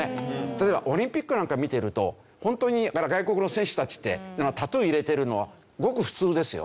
例えばオリンピックなんかを見てるとホントに外国の選手たちってタトゥー入れてるのはごく普通ですよね。